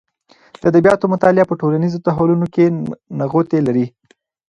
د ادبیاتو مطالعه په ټولنیز تحولونو کې نغوتې لري.